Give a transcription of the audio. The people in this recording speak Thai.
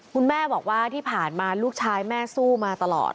คุณแม่บอกว่าที่ผ่านมาลูกชายแม่สู้มาตลอด